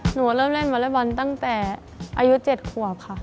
หนูเริ่มเล่นวอเล็กบอลตั้งแต่อายุ๗ขวบค่ะ